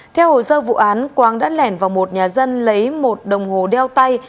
theo hồ sơ vụ án quang đã lẻn vào một nhà dân lấy một đồng hồ đeo tay